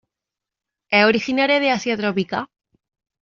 Es originaria de Asia tropical.